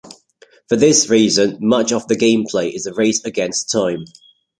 For this reason, much of the gameplay is a race-against-time.